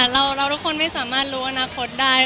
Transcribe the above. เราทุกคนไม่สามารถรู้อนาคตได้